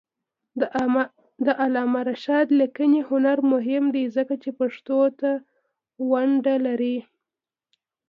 د علامه رشاد لیکنی هنر مهم دی ځکه چې پښتو ته ونډه لري.